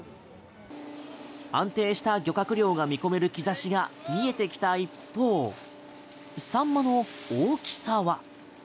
安定した漁獲量が見込める兆しが見えてきた一方サンマの大きさは。